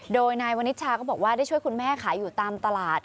โดยนายวนิชาก็บอกว่าได้ช่วยคุณแม่ขายอยู่ตามตลาด